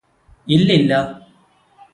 ഇല്ലില്ല